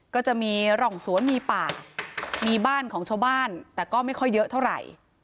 ก็จะมีร่องสวนมีป่ามีบ้านของชาวบ้านแต่ก็ไม่ค่อยเยอะเท่าไหร่